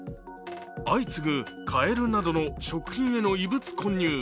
相次ぐカエルなどの食品への異物混入。